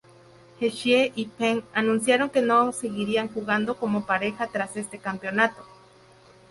Hsieh y Peng anunciaron que no seguirían jugando como pareja tras este campeonato.